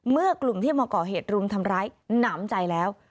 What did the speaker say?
เมื่อกลุมที่มาเกาะเหตุฤทธิ์ลุมทำร้ายหนามใจแล้ว